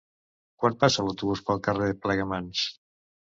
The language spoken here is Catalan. Quan passa l'autobús pel carrer Plegamans?